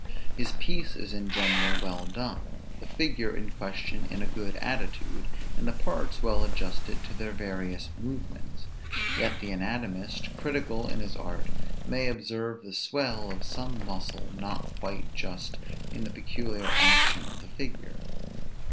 His piece is in general well done, the figure in question in a good attitude, and the parts well adjusted to their various movements; yet the anatomist, critical in his art, may observe the swell of some muscle not quite just in the peculiar action of the figure.